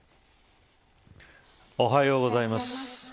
おはようございます。